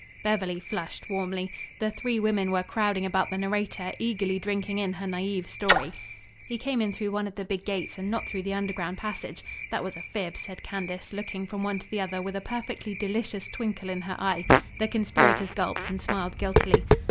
Beverly flushed warmly. The three women were crowding about the narrator, eagerly drinking in her naive story. "We came in through one of the big gates and not through the underground passage. That was a fib," said Candace, looking from one to the other with a perfectly delicious twinkle in her eye. The conspirators gulped and smiled guiltily.